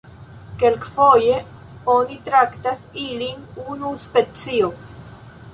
Kelkfoje oni traktas ilin unu specio.